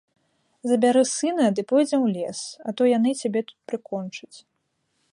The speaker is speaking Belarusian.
Забяры сына ды пойдзем у лес, а то яны цябе тут прыкончаць.